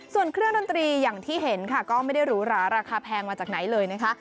ส่วนเครื่องดนตรีอย่างที่เห็นค่ะก็ไม่ได้หรูหราราคาแพงมาจากไหนเลยนะคะ